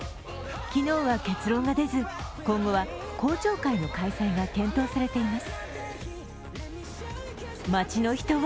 昨日は結論が出ず、今後は公聴会の開催が検討されています。